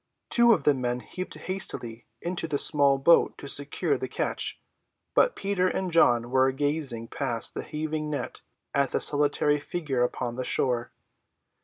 Two of the men leaped hastily into the small boat to secure the catch, but Peter and John were gazing past the heaving net at that solitary figure upon the shore.